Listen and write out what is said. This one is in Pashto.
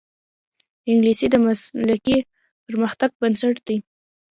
انګلیسي د مسلکي پرمختګ بنسټ دی